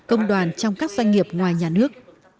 công đoàn trong các doanh nghiệp ngoài nhà nước